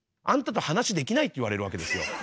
「あんたと話できない」って言われるわけですよ。